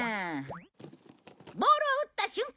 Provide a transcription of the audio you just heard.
ボールを打った瞬間